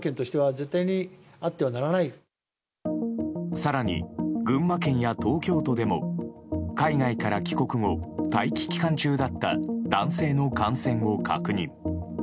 更に、群馬県や東京都でも海外から帰国後待機期間中だった男性の感染を確認。